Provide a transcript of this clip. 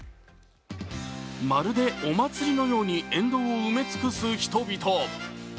まるで、お祭りのように沿道を埋め尽くす人々。